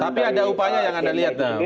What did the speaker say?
tapi ada upaya yang anda lihat tuh